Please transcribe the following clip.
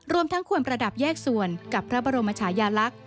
รวมทั้งควรประดับแยกส่วนกับพระบรมชายาลักษณ์